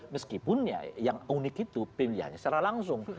meskipun yang unik itu pilihannya secara langsung